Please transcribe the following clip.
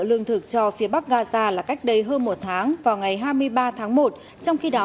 lương thực cho phía bắc gaza là cách đây hơn một tháng vào ngày hai mươi ba tháng một trong khi đó